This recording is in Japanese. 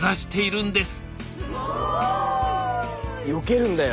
よけるんだよ。